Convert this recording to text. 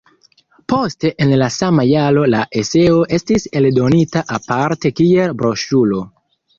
Poste en la sama jaro la eseo estis eldonita aparte kiel broŝuro.